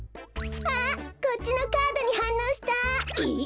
こっちのカードにはんのうした。え？